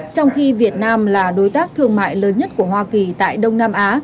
trong khi việt nam là đối tác thương mại lớn nhất của hoa kỳ tại đông nam á